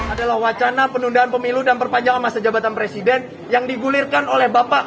adalah wacana penundaan pemilu dan perpanjangan masa jabatan presiden yang digulirkan oleh bapak